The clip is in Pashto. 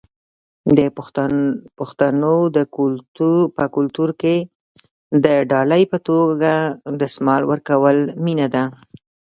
د پښتنو په کلتور کې د ډالۍ په توګه دستمال ورکول مینه ده.